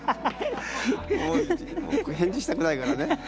返事したくないからね。